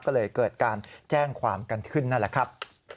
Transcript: ก็เลยเกิดการแจ้งความกันขึ้นนั่นแหละครับ